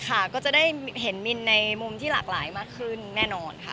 ค่ะก็จะได้เห็นมินในมุมที่หลากหลายมากขึ้นแน่นอนค่ะ